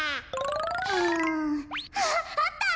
うんあっあった！